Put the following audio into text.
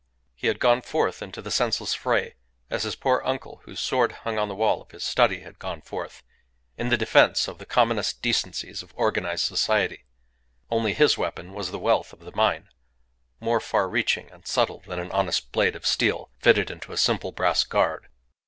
He had gone forth into the senseless fray as his poor uncle, whose sword hung on the wall of his study, had gone forth in the defence of the commonest decencies of organized society. Only his weapon was the wealth of the mine, more far reaching and subtle than an honest blade of steel fitted into a simple brass guard.